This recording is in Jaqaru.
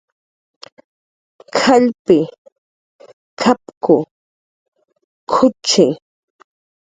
K'allpi, k'apku, k'ucxi